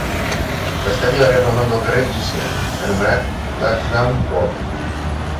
L'estadi va rebre el nom del carrer adjacent, anomenat Landsdowne Road.